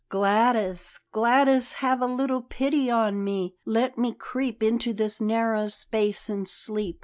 "Gladys! Gladys! Have a little pity on me; let me creep into this narrow space and sleep.